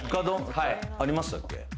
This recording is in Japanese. ありましたっけ？